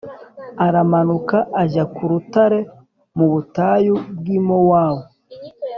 Aramanuka ajya ku rutare mu butayu bw i mawoni